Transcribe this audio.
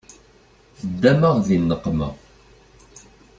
Teddam-aɣ di nneqma.